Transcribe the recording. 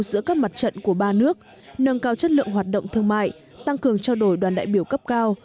giữa các mặt trận của ba nước nâng cao chất lượng hoạt động thương mại tăng cường trao đổi đoàn đại biểu cấp cao